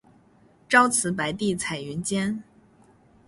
朝辞白帝彩云间